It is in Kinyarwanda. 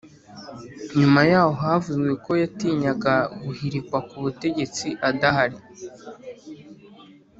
nyuma yaho havuzwe ko yatinyaga guhirikwa ku butegetsi adahari.